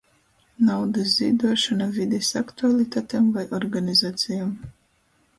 Naudys zīduošona vidis aktualitatem voi organizacejom.